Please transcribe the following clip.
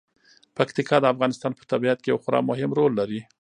پکتیکا د افغانستان په طبیعت کې یو خورا مهم رول لري.